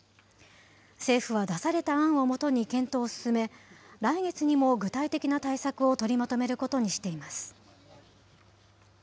政府は出された案をもとに検討を進め、来月にも具体的な対策を取りまとめることにしています。